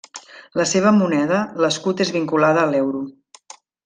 La seva moneda, l'escut és vinculada a l'euro.